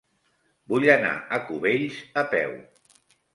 Vull anar a Cubells a peu.